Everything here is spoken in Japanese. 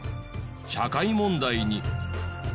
社会問題に。